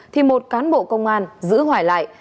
thì một cán bộ công an giữ hoài lại